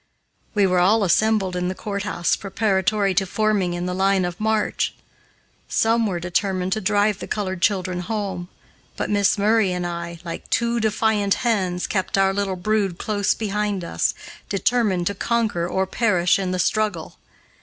We were all assembled in the courthouse preparatory to forming in the line of march. Some were determined to drive the colored children home, but Miss Murray and I, like two defiant hens, kept our little brood close behind us, determined to conquer or perish in the struggle.